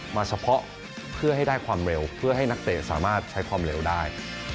มาเฉพาะเพื่อให้ได้ความเร็วเพื่อให้นักเตะสามารถใช้ความเร็วได้